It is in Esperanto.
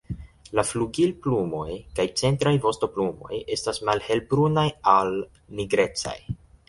La flugilplumoj kaj centraj vostoplumoj estas malhelbrunaj al nigrecaj.